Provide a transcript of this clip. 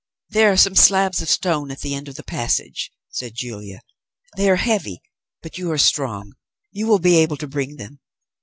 "There are some slabs of stone at the end of the passage," said Julia. "They are heavy, but you are strong, you will be able to bring them.